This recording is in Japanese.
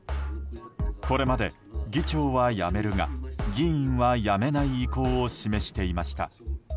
これまで、議長は辞めるが議員は辞めない意向を示していました。